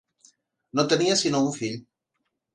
No tenia sinó un fill.